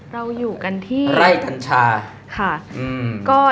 เราอยู่กันที่ไร่กัญชาค่ะ